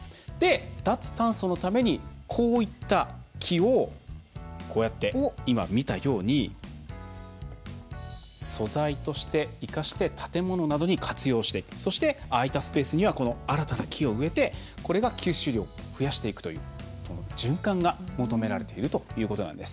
脱炭素のために、こういった木をこうやって今、見たように素材として生かして建物などに活用してそして、空いたスペースには新たな木を植えてこれが、吸収量を増やしていくという循環が求められているということなんです。